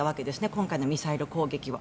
今回のミサイル攻撃は。